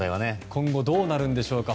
今後どうなるんでしょうか。